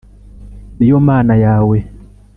ni yo Mana yawe